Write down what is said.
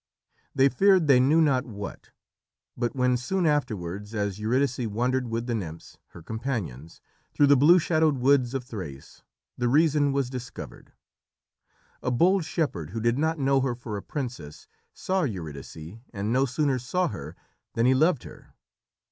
They feared they knew not what; but when, soon afterwards, as Eurydice wandered with the nymphs, her companions, through the blue shadowed woods of Thrace, the reason was discovered. A bold shepherd, who did not know her for a princess, saw Eurydice, and no sooner saw her than he loved her.